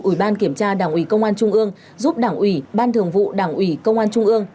ủy ban kiểm tra đảng ủy công an trung ương giúp đảng ủy ban thường vụ đảng ủy công an trung ương